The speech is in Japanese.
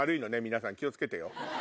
皆さん気を付けてよ。